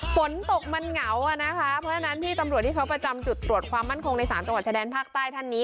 ฝนตกมันเหงาอะนะคะเพราะฉะนั้นพี่ตำรวจที่เขาประจำจุดตรวจความมั่นคงใน๓จังหวัดชายแดนภาคใต้ท่านนี้